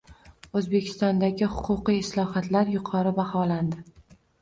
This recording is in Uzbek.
O‘zbekistondagi huquqiy islohotlar yuqori baholandi